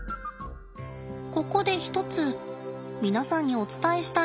ここで一つ皆さんにお伝えしたいことがあります。